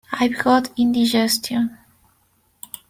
I've got indigestion.